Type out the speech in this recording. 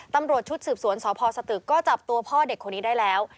ตำรวจชุดสืบสวนสพสตึกก็จับตัวพ่อเด็กคนนี้ได้แล้ว